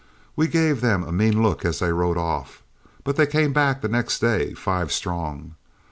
We gave them a mean look as they rode off, but they came back the next day, five strong.